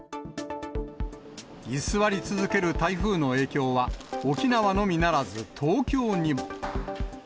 居座り続ける台風の影響は、沖縄のみならず、東京にも。